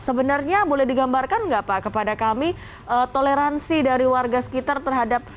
sebenarnya boleh digambarkan nggak pak kepada kami toleransi dari warga sekitar terhadap